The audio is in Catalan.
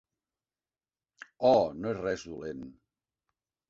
Oh, no és res dolent.